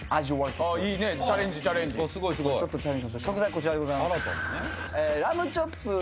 食材こちらでございます。